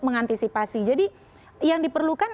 mengantisipasi jadi yang diperlukan